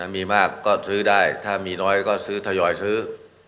มีมากก็ซื้อได้ถ้ามีน้อยก็ซื้อทยอยซื้อ